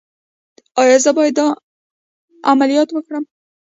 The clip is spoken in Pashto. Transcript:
ایا زه باید عملیات وکړم؟